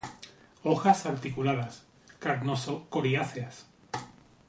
Hojas articuladas, carnoso-coriáceas.